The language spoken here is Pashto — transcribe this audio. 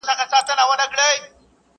ځوانيمرگي اوړه څنگه اخښل كېږي٫